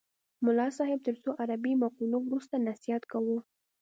ملا صاحب تر څو عربي مقولو وروسته نصیحت کاوه.